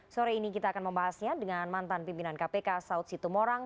sore ini kita akan membahasnya dengan mantan pimpinan kpk saud situmorang